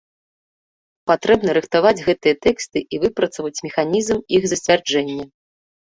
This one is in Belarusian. Патрэбна рыхтаваць гэтыя тэксты і выпрацаваць механізм іх зацвярджэння.